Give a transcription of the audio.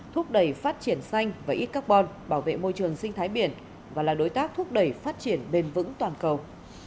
thúc đẩy phát triển xanh và ít carbon bảo vệ môi trường sinh thái biển và là đối tác thúc đẩy phát triển bền vững toàn cầu